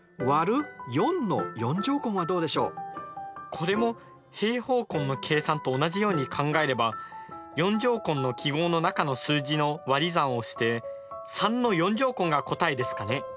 これも平方根の計算と同じように考えれば４乗根の記号の中の数字の割り算をして３の４乗根が答えですかね？